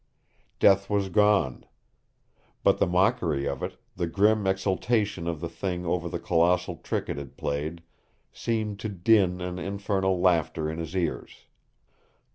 Death was gone. But the mockery of it, the grim exultation of the thing over the colossal trick it had played, seemed to din an infernal laughter in his ears.